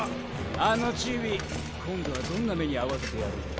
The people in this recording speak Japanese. あのチビ今度はどんな目に遭わせてやろっか。